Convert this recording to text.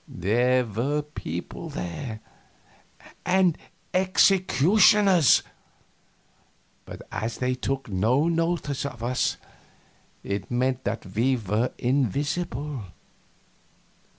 There were people there and executioners but as they took no notice of us, it meant that we were invisible.